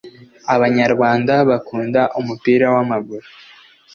Abanyarwanda bakunda umupira w’amaguru